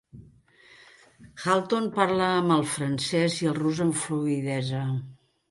Halton parla amb el francès i el rus amb fluïdesa.